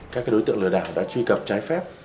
các đối tượng lừa đảo đã truy cập trái phép